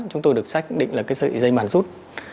chúng tôi được xác định là cái sợi dây màn rút